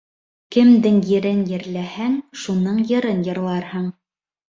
Кемдең ерен ерләһәң, шуның йырын йырларһың.